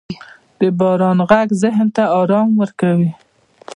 • د باران ږغ ذهن ته آرامي ورکوي.